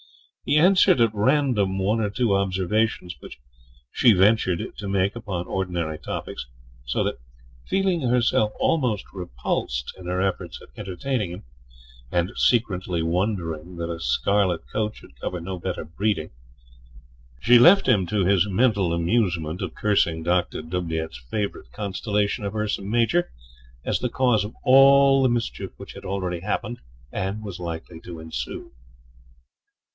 He answered at random one or two observations which she ventured to make upon ordinary topics; so that, feeling herself almost repulsed in her efforts at entertaining him, and secretly wondering that a scarlet coat should cover no better breeding, she left him to his mental amusement of cursing Doctor Doubleit's favourite constellation of Ursa Major as the cause of all the mischief which had already happened and was likely to ensue.